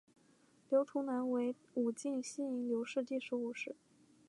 刘图南为武进西营刘氏第十五世。